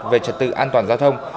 về trật tự an toàn giao thông